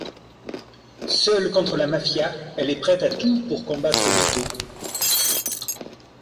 Seule contre la mafia, elle est prête à tout pour combattre Vito.